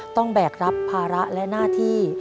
แบกรับภาระและหน้าที่